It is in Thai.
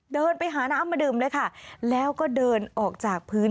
เดินไปหาน้ำมาดื่มเลยค่ะแล้วก็เดินออกจากพื้น